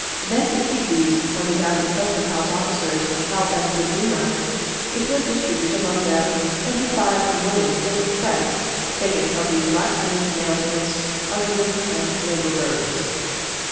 Then to keep these 20,000 custom house officers in health and good humour, it would distribute among them 25,000,000 of francs taken from these blacksmiths, nail smiths, artizans, and labourers.